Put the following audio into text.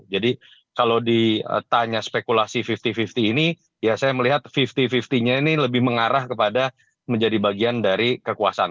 jadi kalau ditanya spekulasi lima puluh lima puluh ini ya saya melihat lima puluh lima puluh nya ini lebih mengarah kepada menjadi bagian dari kekuasaan